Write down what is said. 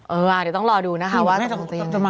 เอออ่าเดี๋ยวต้องรอดูนะคะว่า